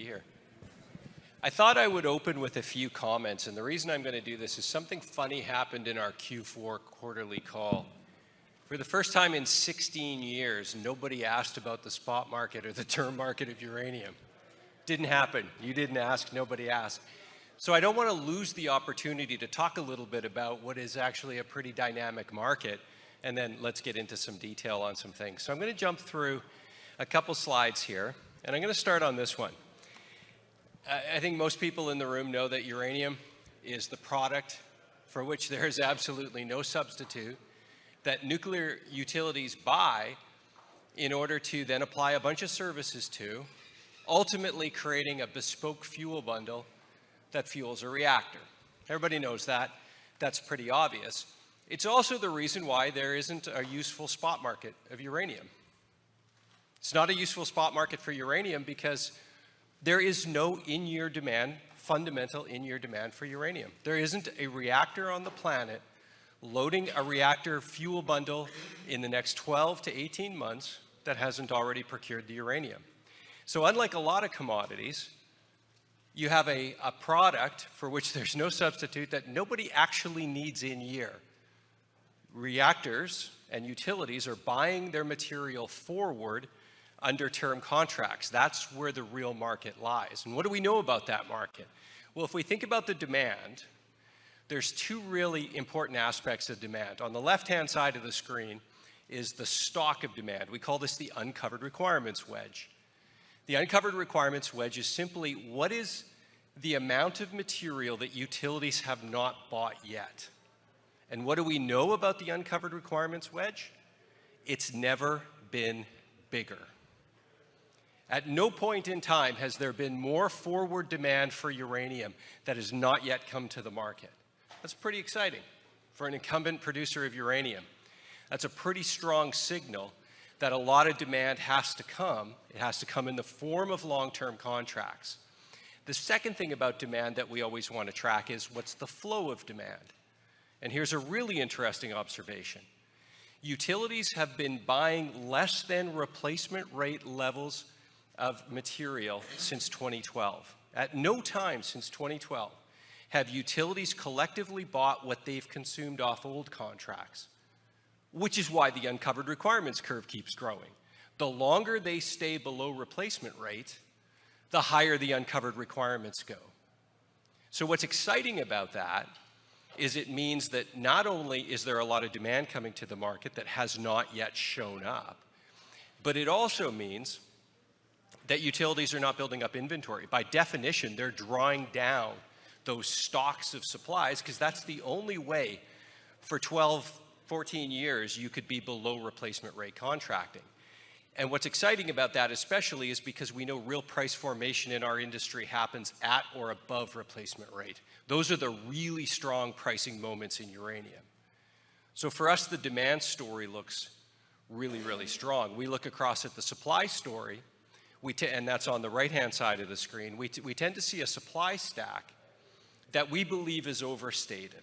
Be here. I thought I would open with a few comments. The reason I'm gonna do this is something funny happened in our Q4 quarterly call. For the first time in 16 years, nobody asked about the spot market or the term market of uranium. Didn't happen. You didn't ask, nobody asked. I don't wanna lose the opportunity to talk a little bit about what is actually a pretty dynamic market, and then let's get into some detail on some things. I'm gonna jump through a couple slides here, and I'm gonna start on this one. I think most people in the room know that uranium is the product for which there is absolutely no substitute, that nuclear utilities buy in order to then apply a bunch of services to, ultimately creating a bespoke fuel bundle that fuels a reactor. Everybody knows that. That's pretty obvious. It's also the reason why there isn't a useful spot market of uranium. It's not a useful spot market for uranium because there is no in-year demand, fundamental in-year demand for uranium. There isn't a reactor on the planet loading a reactor fuel bundle in the next 12 to 18 months that hasn't already procured the uranium. Unlike a lot of commodities, you have a product for which there's no substitute that nobody actually needs in-year. Reactors and utilities are buying their material forward under term contracts. That's where the real market lies. What do we know about that market? Well, if we think about the demand, there's two really important aspects of demand. On the left-hand side of the screen is the stock of demand. We call this the uncovered requirements wedge. The uncovered requirements wedge is simply, what is the amount of material that utilities have not bought yet? What do we know about the uncovered requirements wedge? It's never been bigger. At no point in time has there been more forward demand for uranium that has not yet come to the market. That's pretty exciting for an incumbent producer of uranium. That's a pretty strong signal that a lot of demand has to come. It has to come in the form of long-term contracts. The second thing about demand that we always wanna track is, what's the flow of demand? Here's a really interesting observation: utilities have been buying less than replacement rate levels of material since 2012. At no time since 2012 have utilities collectively bought what they've consumed off old contracts, which is why the uncovered requirements curve keeps growing. The longer they stay below replacement rate, the higher the uncovered requirements go. What's exciting about that is it means that not only is there a lot of demand coming to the market that has not yet shown up, but it also means that utilities are not building up inventory. By definition, they're drawing down those stocks of supplies, 'cause that's the only way for 12, 14 years you could be below replacement rate contracting. What's exciting about that especially is because we know real price formation in our industry happens at or above replacement rate. Those are the really strong pricing moments in uranium. For us, the demand story looks really, really strong. We look across at the supply story, and that's on the right-hand side of the screen, we tend to see a supply stack that we believe is overstated.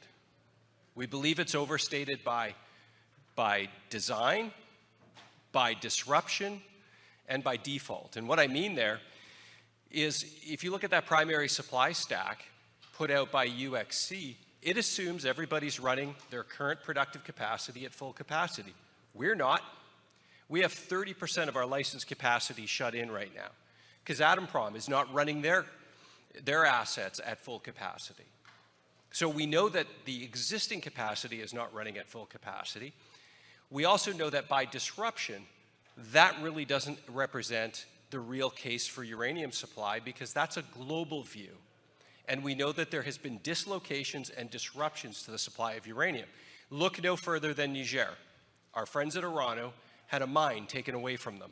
We believe it's overstated by, by design, by disruption, and by default. What I mean there is if you look at that primary supply stack put out by UxC, it assumes everybody's running their current productive capacity at full capacity. We're not. We have 30% of our licensed capacity shut in right now, 'cause Kazatomprom is not running their, their assets at full capacity. We know that the existing capacity is not running at full capacity. We also know that by disruption, that really doesn't represent the real case for uranium supply, because that's a global view, and we know that there has been dislocations and disruptions to the supply of uranium. Look no further than Niger. Our friends at Orano had a mine taken away from them.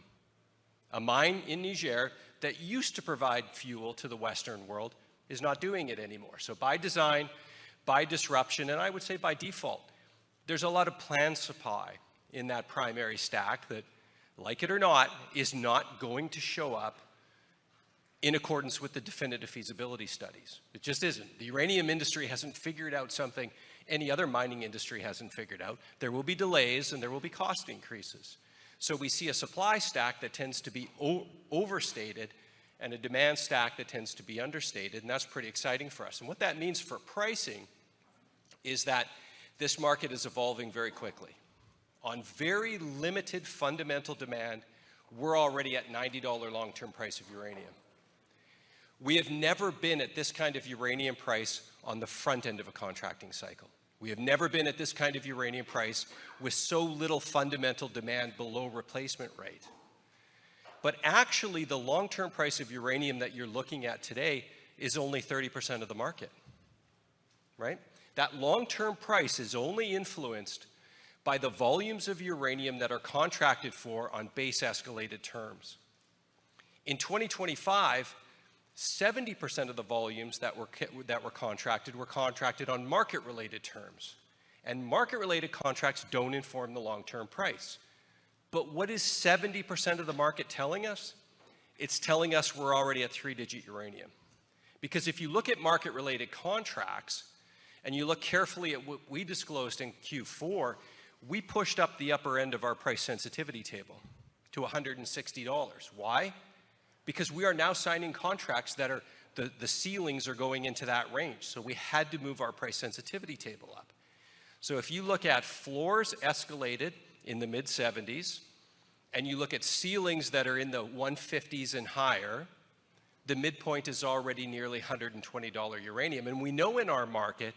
A mine in Niger that used to provide fuel to the Western world is not doing it anymore. By design, by disruption, and I would say by default, there's a lot of planned supply in that primary stack that, like it or not, is not going to show up in accordance with the Definitive Feasibility Studies. It just isn't. The uranium industry hasn't figured out something any other mining industry hasn't figured out. There will be delays, and there will be cost increases. We see a supply stack that tends to be overstated and a demand stack that tends to be understated, and that's pretty exciting for us. What that means for pricing is that this market is evolving very quickly. On very limited fundamental demand, we're already at $90 long-term price of uranium. We have never been at this kind of uranium price on the front end of a contracting cycle. We have never been at this kind of uranium price with so little fundamental demand below replacement rate. Actually, the long-term price of uranium that you're looking at today is only 30% of the market, right? That long-term price is only influenced by the volumes of uranium that are contracted for on base-escalated terms. In 2025, 70% of the volumes that were contracted, were contracted on market-related terms, and market-related contracts don't inform the long-term price. What is 70% of the market telling us? It's telling us we're already at three-digit uranium. If you look at market-related contracts, and you look carefully at what we disclosed in Q4, we pushed up the upper end of our price sensitivity table to $160. Why? We are now signing contracts that are, the ceilings are going into that range, so we had to move our price sensitivity table up. If you look at floors escalated in the mid-$70s, and you look at ceilings that are in the $150s and higher, the midpoint is already nearly $120 uranium. We know in our market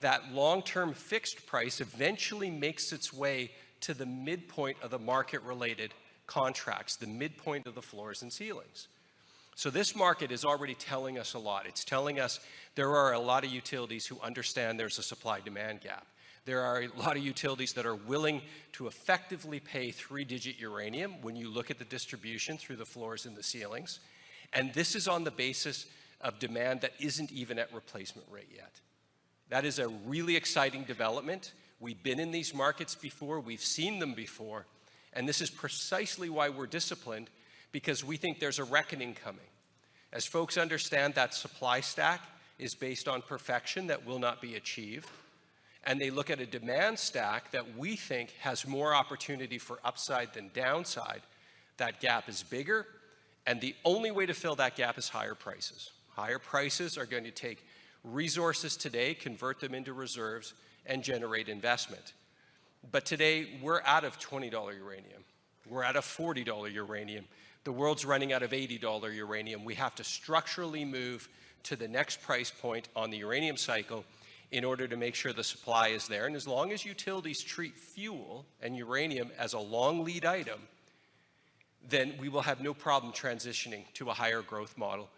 that long-term fixed price eventually makes its way to the midpoint of the market-related contracts, the midpoint of the floors and ceilings. This market is already telling us a lot. It's telling us there are a lot of utilities who understand there's a supply-demand gap. There are a lot of utilities that are willing to effectively pay three-digit uranium when you look at the distribution through the floors and the ceilings. This is on the basis of demand that isn't even at replacement rate yet. That is a really exciting development. We've been in these markets before, we've seen them before. This is precisely why we're disciplined, because we think there's a reckoning coming. As folks understand that supply stack is based on perfection that will not be achieved, and they look at a demand stack that we think has more opportunity for upside than downside, that gap is bigger. The only way to fill that gap is higher prices. Higher prices are going to take resources today, convert them into reserves, and generate investment. Today, we're out of $20 uranium. We're out of $40 uranium. The world's running out of $80 uranium. We have to structurally move to the next price point on the uranium cycle in order to make sure the supply is there. As long as utilities treat fuel and uranium as a long lead item, then we will have no problem transitioning to a higher growth model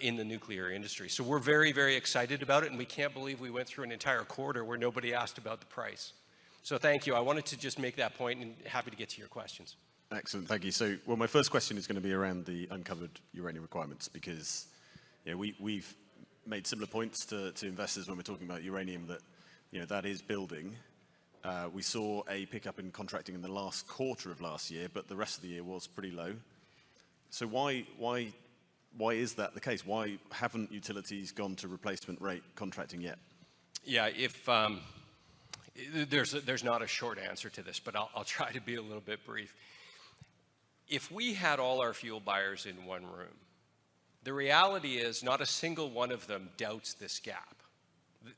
in the nuclear industry. We're very, very excited about it, and we can't believe we went through an entire quarter where nobody asked about the price. Thank you. I wanted to just make that point, and happy to get to your questions. Excellent. Thank you. Well, my first question is gonna be around the uncovered uranium requirements, because, you know, we've made similar points to, to investors when we're talking about uranium that, you know, that is building. We saw a pickup in contracting in the last quarter of last year, but the rest of the year was pretty low. Why, why, why is that the case? Why haven't utilities gone to replacement rate contracting yet? Yeah, if there's not a short answer to this, but I'll, I'll try to be a little bit brief. If we had all our fuel buyers in one room, the reality is, not a single one of them doubts this gap.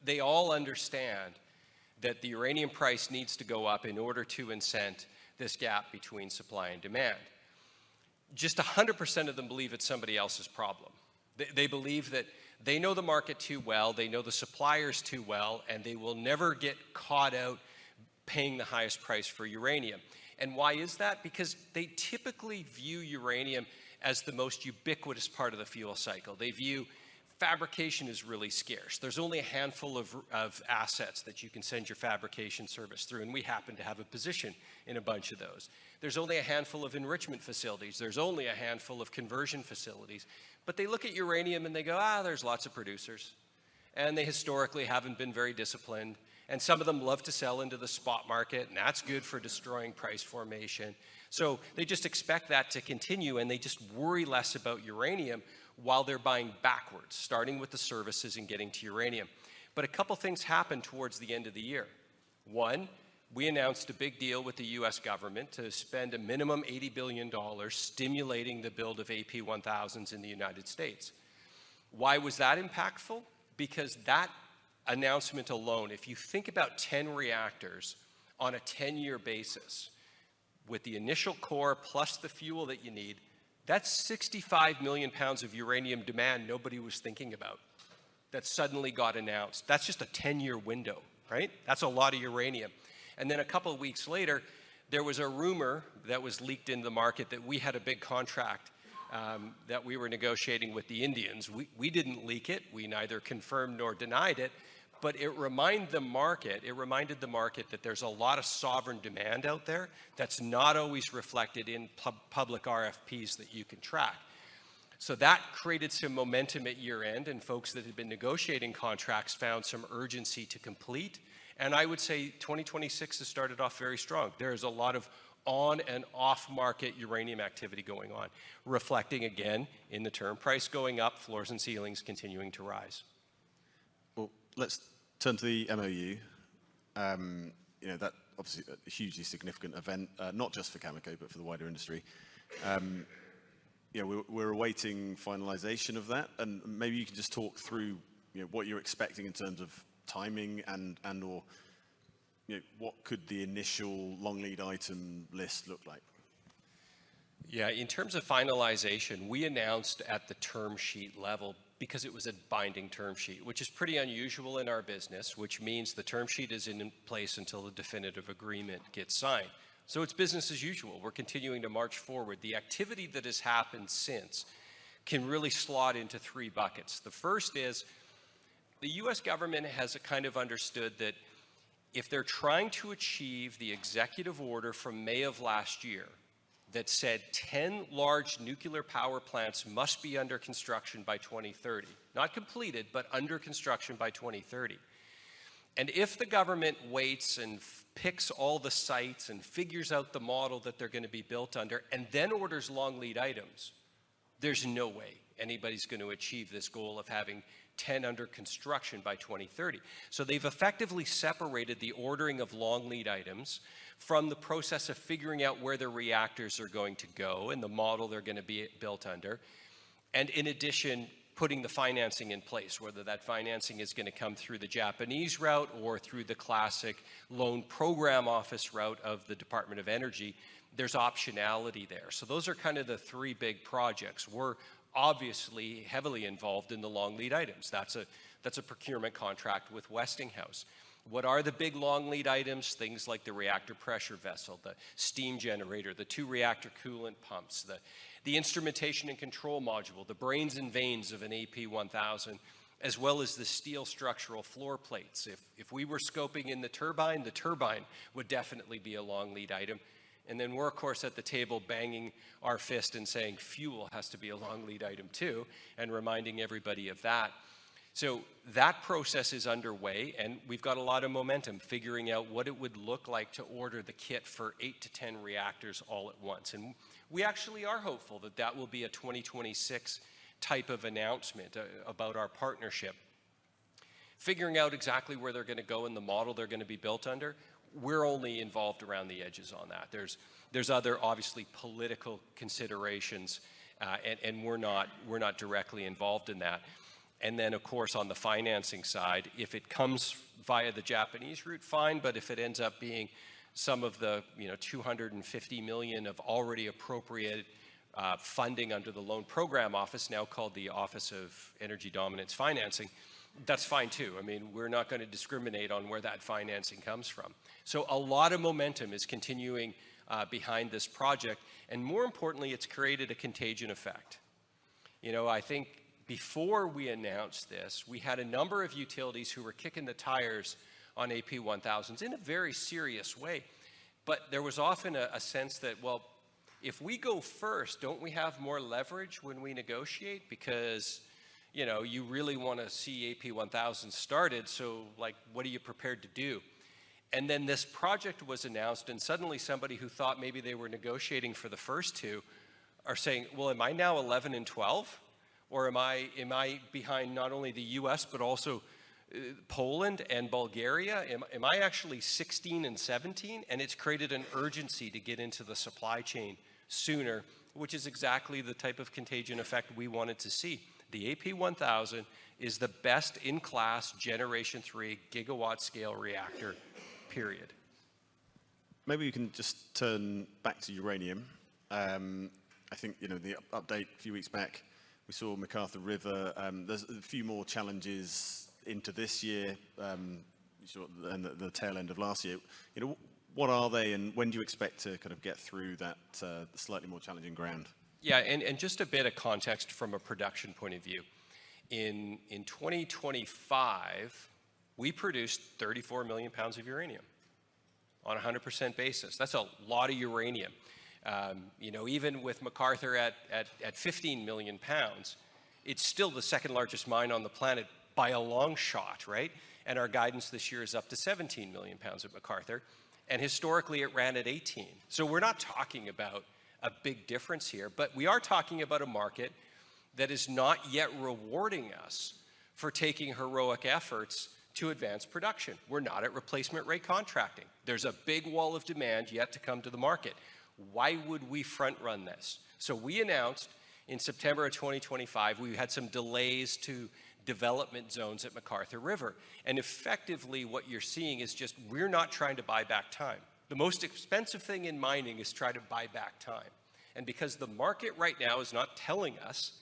They all understand that the uranium price needs to go up in order to incent this gap between supply and demand. Just 100% of them believe it's somebody else's problem. They, they believe that they know the market too well, they know the suppliers too well, and they will never get caught out paying the highest price for uranium. Why is that? Because they typically view uranium as the most ubiquitous part of the fuel cycle. They view fabrication as really scarce. There's only a handful of assets that you can send your fabrication service through, We happen to have a position in a bunch of those. There's only a handful of enrichment facilities. There's only a handful of conversion facilities. They look at uranium and they go, "Ah, there's lots of producers," They historically haven't been very disciplined, Some of them love to sell into the spot market, That's good for destroying price formation. They just expect that to continue, They just worry less about uranium while they're buying backwards, starting with the services and getting to uranium. A couple of things happened towards the end of the year. One, we announced a big deal with the U.S. government to spend a minimum $80 billion stimulating the build of AP1000s in the United States. Why was that impactful? That announcement alone, if you think about 10 reactors on a 10-year basis, with the initial core plus the fuel that you need, that's 65 million lbs of uranium demand nobody was thinking about, that suddenly got announced. That's just a 10-year window, right? That's a lot of uranium. A couple of weeks later, there was a rumor that was leaked in the market that we had a big contract that we were negotiating with the Indians. We, we didn't leak it. We neither confirmed nor denied it, but it reminded the market that there's a lot of sovereign demand out there that's not always reflected in public RFPs that you can track. That created some momentum at year-end, and folks that had been negotiating contracts found some urgency to complete. I would say 2026 has started off very strong. There is a lot of on and off-market uranium activity going on, reflecting again in the term price going up, floors and ceilings continuing to rise. Well, let's turn to the MOU. you know, that obviously a hugely significant event, not just for Cameco, but for the wider industry. yeah, we're, we're awaiting finalization of that, and maybe you can just talk through, you know, what you're expecting in terms of timing and, and/or, you know, what could the initial long lead item list look like? Yeah. In terms of finalization, we announced at the term sheet level because it was a binding term sheet, which is pretty unusual in our business, which means the term sheet is in place until the definitive agreement gets signed. It's business as usual. We're continuing to march forward. The activity that has happened since can really slot into three buckets. The first is, the U.S. government has a kind of understood that if they're trying to achieve the executive order from May of last year that said 10 large nuclear power plants must be under construction by 2030, not completed, but under construction by 2030-... If the government waits and picks all the sites and figures out the model that they're going to be built under, and then orders long lead items, there's no way anybody's going to achieve this goal of having 10 under construction by 2030. They've effectively separated the ordering of long lead items from the process of figuring out where the reactors are going to go and the model they're going to be built under, and in addition, putting the financing in place, whether that financing is going to come through the Japanese route or through the classic Loan Programs Office route of the Department of Energy, there's optionality there. Those are kind of the three big projects. We're obviously heavily involved in the long lead items. That's a, that's a procurement contract with Westinghouse. What are the big long lead items? Things like the reactor pressure vessel, the steam generator, the two reactor coolant pumps, the instrumentation and control module, the brains and veins of an AP1000, as well as the steel structural floor plates. If we were scoping in the turbine, the turbine would definitely be a long lead item. Then we're, of course, at the table banging our fist and saying, "Fuel has to be a long lead item, too," and reminding everybody of that. That process is underway, and we've got a lot of momentum figuring out what it would look like to order the kit for eight to 10 reactors all at once. We actually are hopeful that that will be a 2026 type of announcement about our partnership. Figuring out exactly where they're going to go and the model they're going to be built under, we're only involved around the edges on that. There's other obviously political considerations, and we're not directly involved in that. Then, of course, on the financing side, if it comes via the Japanese route, fine, but if it ends up being some of the, you know, $250 million of already appropriate funding under the Loan Programs Office, now called the Office of Energy Dominance Financing, that's fine too. I mean, we're not going to discriminate on where that financing comes from. A lot of momentum is continuing behind this project, and more importantly, it's created a contagion effect. You know, I think before we announced this, we had a number of utilities who were kicking the tires on AP1000s in a very serious way, but there was often a, a sense that, well, if we go first, don't we have more leverage when we negotiate? Because, you know, you really want to see AP1000 started, so, like, what are you prepared to do? This project was announced, and suddenly somebody who thought maybe they were negotiating for the first two are saying, "Well, am I now 11 and 12, or am I, am I behind not only the U.S., but also Poland and Bulgaria? Am I actually 16 and 17?" It's created an urgency to get into the supply chain sooner, which is exactly the type of contagion effect we wanted to see. The AP1000 is the best-in-class Generation III gigawatt-scale reactor, period. Maybe we can just turn back to uranium. I think, you know, the update a few weeks back, we saw McArthur River, there's a few more challenges into this year, sort of, and the, the tail end of last year. You know, what are they, and when do you expect to kind of get through that, slightly more challenging ground? Just a bit of context from a production point of view. In 2025, we produced 34 million lbs of uranium on a 100% basis. That's a lot of uranium. You know, even with McArthur at 15 million lbs, it's still the second largest mine on the planet by a long shot, right? Our guidance this year is up to 17 million lbs of McArthur, and historically, it ran at 18. We're not talking about a big difference here, but we are talking about a market that is not yet rewarding us for taking heroic efforts to advance production. We're not at replacement rate contracting. There's a big wall of demand yet to come to the market. Why would we front run this? We announced in September of 2025, we've had some delays to development zones at McArthur River. Effectively, what you're seeing is just we're not trying to buy back time. The most expensive thing in mining is try to buy back time, and because the market right now is not telling us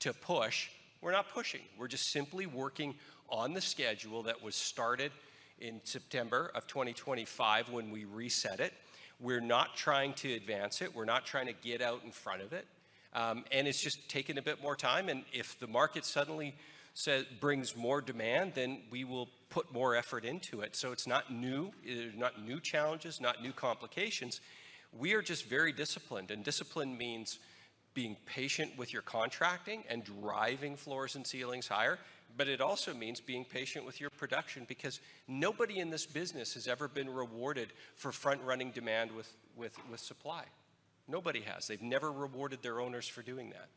to push, we're not pushing. We're just simply working on the schedule that was started in September of 2025 when we reset it. We're not trying to advance it. We're not trying to get out in front of it, and it's just taking a bit more time, and if the market suddenly brings more demand, then we will put more effort into it. It's not new. It's not new challenges, not new complications. We are just very disciplined, and discipline means being patient with your contracting and driving floors and ceilings higher, but it also means being patient with your production because nobody in this business has ever been rewarded for front-running demand with, with, with supply. Nobody has. They've never rewarded their owners for doing that.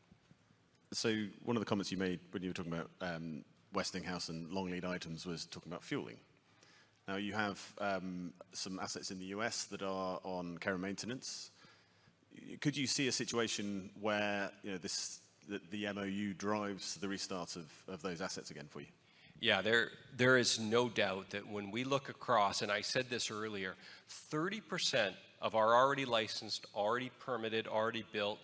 One of the comments you made when you were talking about Westinghouse and long lead items was talking about fueling. Now, you have some assets in the U.S. that are on care and maintenance. Could you see a situation where, you know, this, the MOU drives the restart of those assets again for you? Yeah. There, there is no doubt that when we look across, and I said this earlier, 30% of our already licensed, already permitted, already built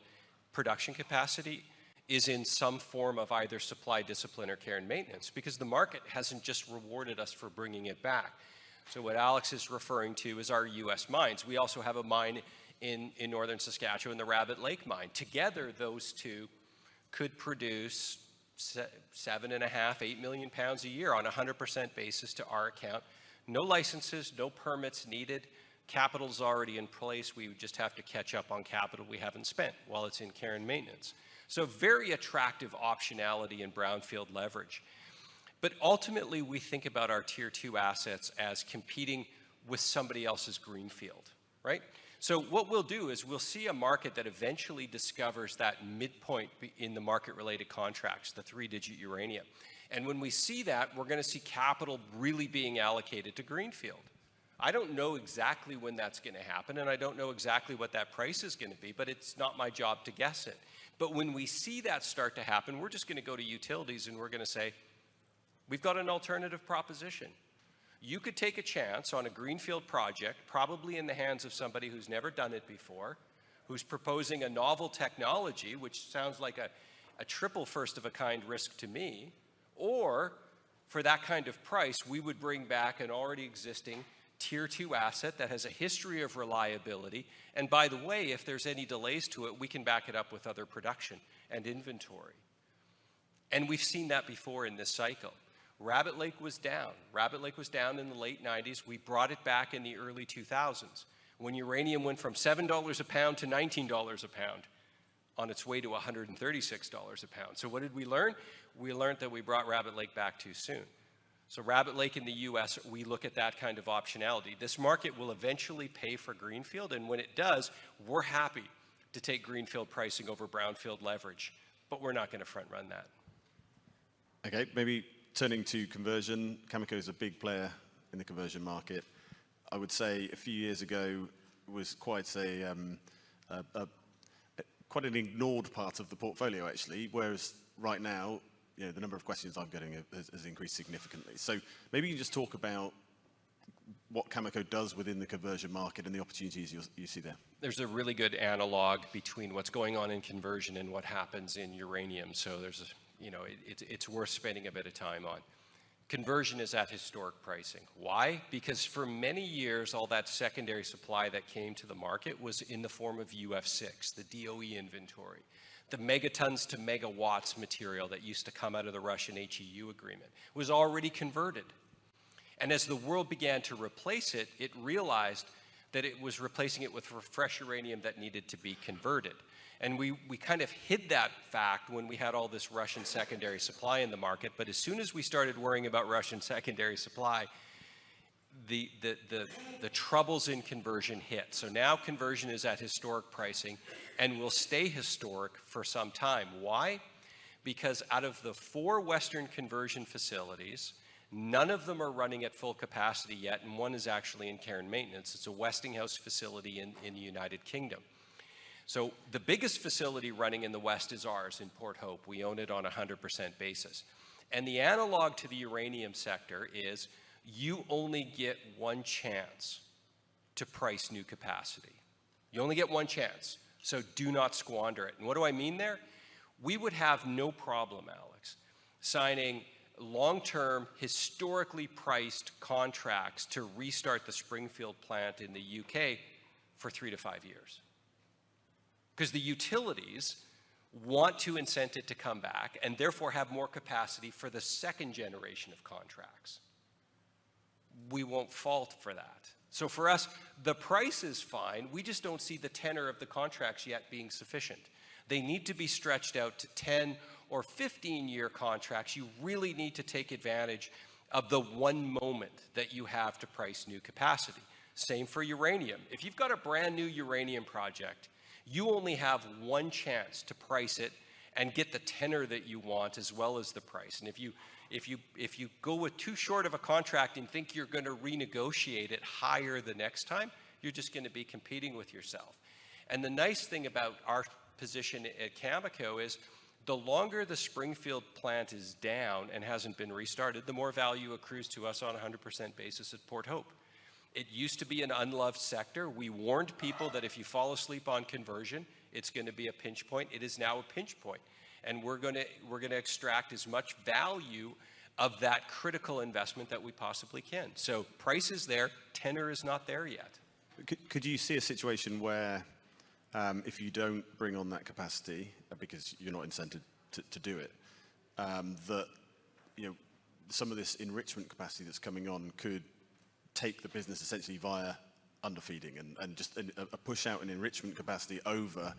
production capacity is in some form of either supply discipline or care and maintenance, because the market hasn't just rewarded us for bringing it back. What Alex is referring to is our U.S. mines. We also have a mine in northern Saskatchewan, the Rabbit Lake mine. Together, those two could produce 7.5 million lbs-8 million lbs a year on a 100% basis to our account. No licenses, no permits needed. Capital's already in place. We would just have to catch up on capital we haven't spent while it's in care and maintenance. Very attractive optionality in brownfield leverage. Ultimately, we think about our tier two assets as competing with somebody else's greenfield, right? What we'll do is we'll see a market that eventually discovers that midpoint in the market-related contracts, the three-digit uranium. When we see that, we're gonna see capital really being allocated to greenfield. I don't know exactly when that's gonna happen, and I don't know exactly what that price is gonna be, but it's not my job to guess it. When we see that start to happen, we're just gonna go to utilities, and we're gonna say, "We've got an alternative proposition. You could take a chance on a greenfield project, probably in the hands of somebody who's never done it before, who's proposing a novel technology, which sounds like a, a triple first-of-a-kind risk to me, or for that kind of price, we would bring back an already existing Tier 2 asset that has a history of reliability. By the way, if there's any delays to it, we can back it up with other production and inventory. We've seen that before in this cycle. Rabbit Lake was down. Rabbit Lake was down in the late 1990s. We brought it back in the early 2000s when uranium went from $7 a pound to $19 a pound, on its way to $136 a pound. What did we learn? We learned that we brought Rabbit Lake back too soon. Rabbit Lake in the U.S., we look at that kind of optionality. This market will eventually pay for greenfield, and when it does, we're happy to take greenfield pricing over brownfield leverage, but we're not gonna front-run that. Okay, maybe turning to conversion, Cameco is a big player in the conversion market. I would say a few years ago, it was quite a, quite an ignored part of the portfolio, actually, whereas right now, you know, the number of questions I'm getting has, has increased significantly. Maybe you just talk about what Cameco does within the conversion market and the opportunities you, you see there. There's a really good analog between what's going on in conversion and what happens in uranium, so there's a, you know, it's worth spending a bit of time on. Conversion is at historic pricing. Why? Because for many years, all that secondary supply that came to the market was in the form of UF6, the DOE inventory. The Megatons to Megawatts material that used to come out of the Russian HEU agreement was already converted. As the world began to replace it, it realized that it was replacing it with fresh uranium that needed to be converted. We, we kind of hid that fact when we had all this Russian secondary supply in the market, As soon as we started worrying about Russian secondary supply, the troubles in conversion hit. Now conversion is at historic pricing and will stay historic for some time. Why? Because out of the four Western conversion facilities, none of them are running at full capacity yet, and one is actually in care and maintenance. It's a Westinghouse facility in, in the United Kingdom. The biggest facility running in the West is ours in Port Hope. We own it on a 100% basis. The analog to the uranium sector is, you only get one chance to price new capacity. You only get one chance, so do not squander it. What do I mean there? We would have no problem, Alex, signing long-term, historically priced contracts to restart the Springfield plant in the U.K. for three to five years. Because the utilities want to incentive to come back and therefore have more capacity for the second generation of contracts. We won't fault for that. For us, the price is fine. We just don't see the tenor of the contracts yet being sufficient. They need to be stretched out to 10 or 15-year contracts. You really need to take advantage of the one moment that you have to price new capacity. Same for uranium. If you've got a brand-new uranium project, you only have one chance to price it and get the tenor that you want, as well as the price. If you go with too short of a contract and think you're gonna renegotiate it higher the next time, you're just gonna be competing with yourself. The nice thing about our position at Cameco is, the longer the Springfield plant is down and hasn't been restarted, the more value accrues to us on a 100% basis at Port Hope. It used to be an unloved sector. We warned people that if you fall asleep on conversion, it's gonna be a pinch point. It is now a pinch point, and we're gonna, we're gonna extract as much value of that critical investment that we possibly can. Price is there, tenor is not there yet. C- could you see a situation where, if you don't bring on that capacity, because you're not incented to, to do it, that, you know, some of this enrichment capacity that's coming on could take the business essentially via underfeeding and just a push out in enrichment capacity over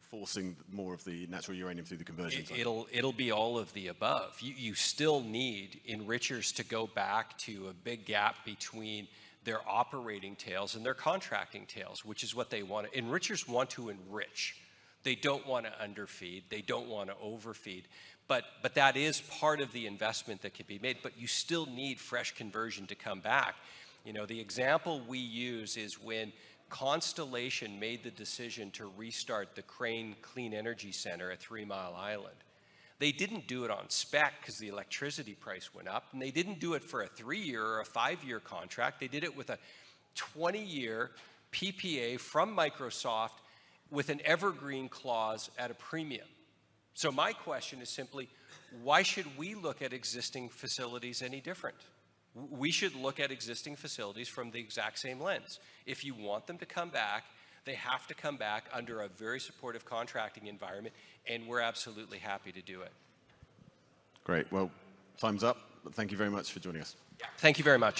forcing more of the natural uranium through the conversion cycle? It'll, it'll be all of the above. You, you still need enrichers to go back to a big gap between their operating tails and their contracting tails, which is what they want to. Enrichers want to enrich. They don't want to underfeed, they don't want to overfeed, but, but that is part of the investment that could be made, but you still need fresh conversion to come back. You know, the example we use is when Constellation made the decision to restart the Crane Clean Energy Center at Three Mile Island. They didn't do it on spec 'cause the electricity price went up, and they didn't do it for a three-year or a five-year contract. They did it with a 20-year PPA from Microsoft with an evergreen clause at a premium. My question is simply, why should we look at existing facilities any different? We should look at existing facilities from the exact same lens. If you want them to come back, they have to come back under a very supportive contracting environment, and we're absolutely happy to do it. Great. Well, time's up, but thank you very much for joining us. Thank you very much.